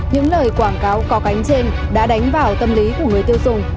những lời quảng cáo có cánh trên đã đánh vào tâm lý của người tiêu dùng